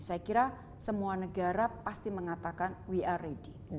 saya kira semua negara pasti mengatakan we are ready